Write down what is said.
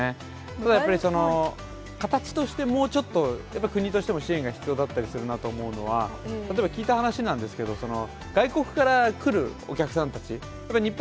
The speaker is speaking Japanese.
ただやっぱり、形としてもうちょっと、やっぱ国としても支援が必要だったりするなと思うのは、例えば聞いた話なんですけれども、外国から来るお客さんたち、日本